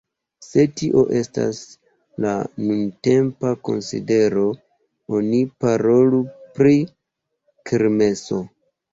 Se tio estas la nuntempa konsidero oni parolu pri kermeso.